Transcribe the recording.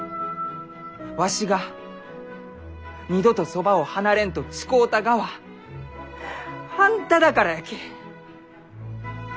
わしが二度とそばを離れんと誓うたがはあんただからやき。